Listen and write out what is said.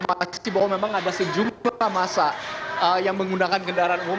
menurut saya saya tahu bahwa memang ada sejumlah masa yang menggunakan kendaraan umum